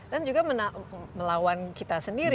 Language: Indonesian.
dan juga melawan kita sendiri